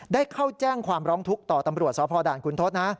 ได้เข้าแจ้งความร้องทุกข์ต่อตำรวจสพด่านคุณทศ